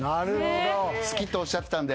好きっておっしゃってたんで。